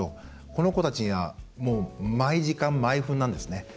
この子たちには毎時間、毎分なんですね。